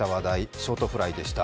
ショートフライでした。